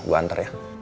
gue antar ya